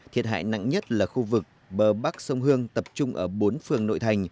thiệt hại nặng nhất là khu vực bờ bắc sông hương tập trung ở bốn phường nội thành